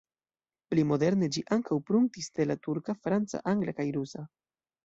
Pli moderne ĝi ankaŭ pruntis de la turka, franca, angla kaj rusa.